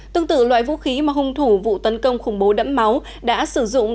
tương tự loại vũ khí mà hung thủ vụ tấn công khủng bố đẫm máu đã sử dụng